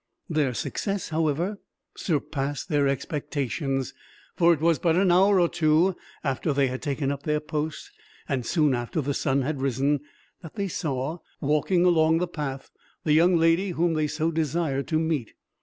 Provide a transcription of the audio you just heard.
Their success, however, surpassed their expectations; for it was but an hour or two after they had taken up their post, and soon after the sun had risen, that they saw, walking along the path, the young lady whom they so desired to meet.